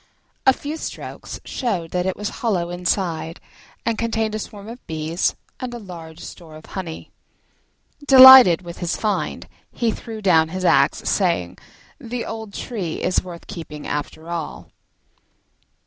A few strokes showed that it was hollow inside and contained a swarm of bees and a large store of honey. Delighted with his find he threw down his axe, saying, "The old tree is worth keeping after all."